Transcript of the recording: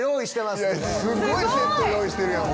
すごいセット用意してるやん。